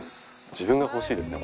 自分が欲しいですね